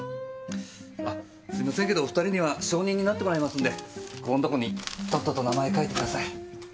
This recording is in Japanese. あっすいませんけどお二人には証人になってもらいますんでここんとこにとっとと名前書いてください。